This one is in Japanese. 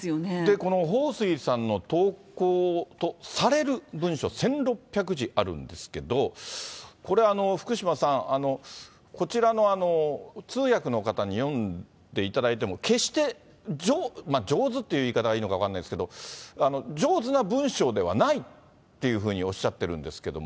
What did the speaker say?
この彭帥さんの投稿とされる文書、１６００字あるんですけど、これ、福島さん、こちらの通訳の方に読んでいただいても、決して、上手という言い方がいいのか分かんないんですけど、上手な文章ではないっていうふうにおっしゃってるんですけども。